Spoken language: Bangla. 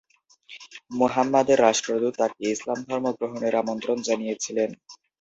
মুহাম্মাদের রাষ্ট্রদূত তাকে ইসলাম ধর্ম গ্রহণের আমন্ত্রণ জানিয়েছিল।